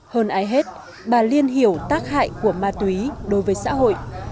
hơn ai hết bà liên hiểu tác hại của ma túy đối với xã hội